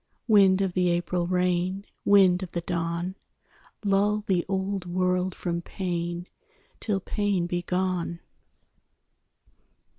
Wind of the April rain, Wind of the dawn, Lull the old world from pain Till pain be gone.